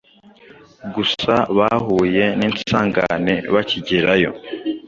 gusa bahuye n’insangane bakigerayo